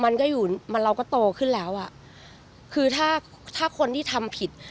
มันก็อยู่มันเราก็โตขึ้นแล้วอ่ะคือถ้าถ้าคนที่ทำผิด